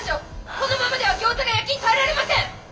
このままではギョーザが焼きに耐えられません！